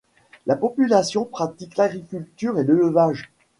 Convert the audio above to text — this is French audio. La population pratique l'agriculture et l'élevage.